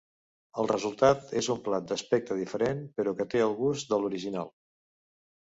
El resultat és un plat d'aspecte diferent però que té el gust de l'original.